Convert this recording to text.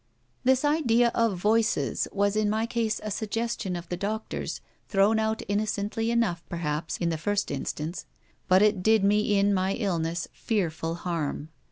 This idea of 'voices' was in my case a suggestion of the doctor's, thrown out innocently enough, perhaps, in the first instance; but it did me in my illness fearful harm.